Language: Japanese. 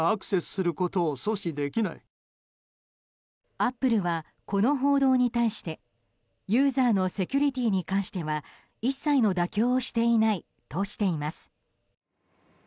アップルは、この報道に対してユーザーのセキュリティーに関しては一切の妥協をしていないとしています。